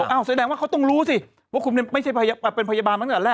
อ้าวแสดงว่าเค้าต้องรู้สิว่าคุณเป็นพยาบาลมาตั้งแต่แรก